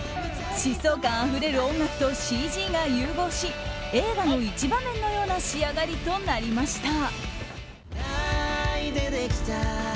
疾走感あふれる音楽とＣＧが融合し映画の一場面のような仕上がりとなりました。